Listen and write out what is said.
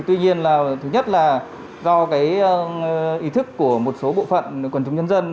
tuy nhiên thứ nhất là do ý thức của một số bộ phận quần chống nhân dân